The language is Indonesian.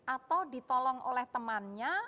atau ditolong oleh temannya